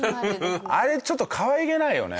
あれちょっとかわいげないよね。